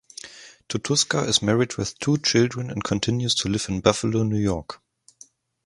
Tutuska is married with two children and continues to live in Buffalo, New York.